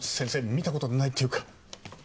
見たことないっていうか。